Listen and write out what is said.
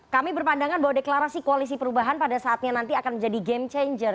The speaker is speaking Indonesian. kami berpandangan bahwa deklarasi koalisi perubahan pada saatnya nanti akan menjadi game changer